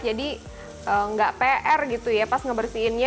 jadi nggak pr gitu ya pas ngebersihinnya